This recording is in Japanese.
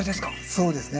そうですね。